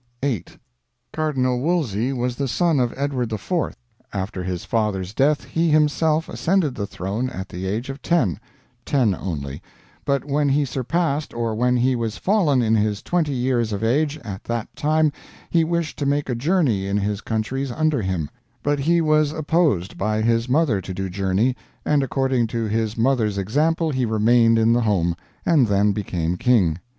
"8. Cardinal Wolsey was the son of Edward IV, after his father's death he himself ascended the throne at the age of (10) ten only, but when he surpassed or when he was fallen in his twenty years of age at that time he wished to make a journey in his countries under him, but he was opposed by his mother to do journey, and according to his mother's example he remained in the home, and then became King.